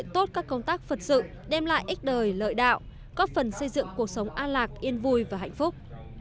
tích cực phật sự đem lại ích đời lợi đạo có phần xây dựng cuộc sống an lạc yên vui và hạnh phúc